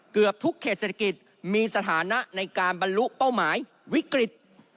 เกือบทุกเขตเศรษฐกิจมีสถานะในการบรรลุเป้าหมายวิกฤต